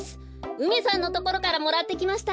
うめさんのところからもらってきました。